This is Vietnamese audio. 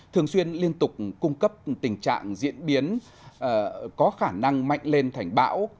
thường xuyên liên tục cung cấp tình trạng diễn biến có khả năng mạnh lên thành bão